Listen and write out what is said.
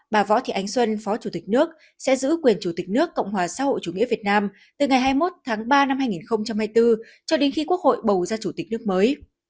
bà võ thị ánh xuân phó chủ tịch nước sẽ giữ quyền chủ tịch nước cộng hòa xã hội chủ nghĩa việt nam từ ngày hai mươi một tháng ba năm hai nghìn hai mươi bốn cho đến khi quốc hội bầu ra chủ tịch nước mới